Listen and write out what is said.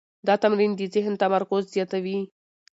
دا تمرین د ذهن تمرکز زیاتوي.